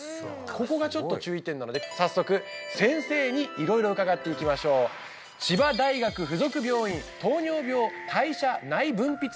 ここがちょっと注意点なので早速先生に色々伺っていきましょう千葉大学附属病院糖尿病代謝内分泌内科